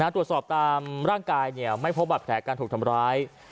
ตรวจสอบตามร่างกายไม่พบบัตรแผลการถูกทำร้าย